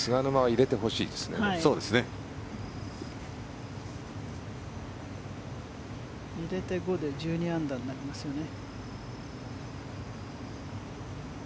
入れて５で１２アンダーになりますよね。